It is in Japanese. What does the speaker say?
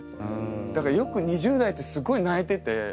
だからよく２０代ってすごい泣いてて。